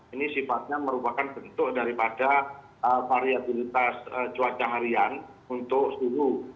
ini sifatnya merupakan bentuk daripada variabilitas cuaca harian untuk suhu